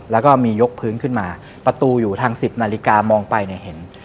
แล้วก็มียกพื้นขึ้นมาประตูอยู่ทาง๑๐นาฬิกามองไปเนี่ยเห็น